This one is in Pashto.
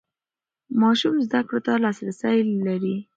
ماشومان زده کړو ته لاسرسی لري.